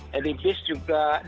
jadi bis juga dibuat